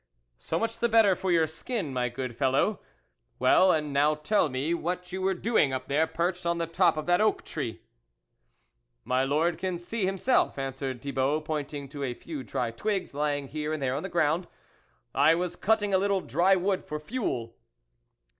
" So much the better for your skin, my good fellow. Well, and now tell me what you were doing up there, perched on the top of that oak tree ?" "My Lord can see himself," answered Thibault, pointing to a few dry twigs lying here and there on the ground, " I was cutting a little dry wood for fuel."